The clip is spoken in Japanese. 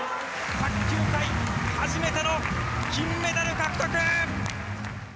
卓球界初めての金メダル獲得。